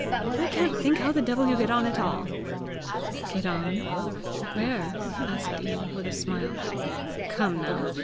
I can't think how the devil you get on at all!" "Get on! Where?" asked Ian with a smile. "Come now!